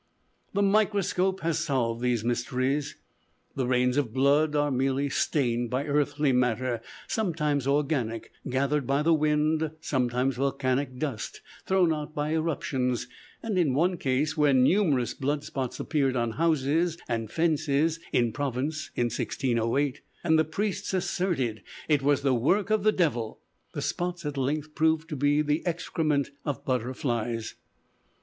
The microscope has solved these mysteries. The rains of blood are merely stained by earthy matter: sometimes organic, gathered by the wind; sometimes volcanic dust, thrown out by eruptions; and in one case, where numerous blood spots appeared on houses and fences in Provence, in 1608, and the priests asserted it was the work of the devil, the spots at length proved to be the excrement of butterflies.